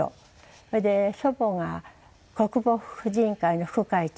それで祖母が国防婦人会の副会長。